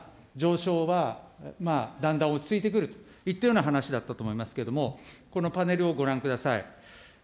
来年になれば上昇はだんだん落ち着いてくるといったような話だったと思いますけれども、このパネルをご覧ください。